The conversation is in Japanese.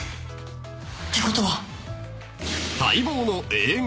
「ってことは」